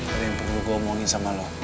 ada yang perlu gue omongin sama lo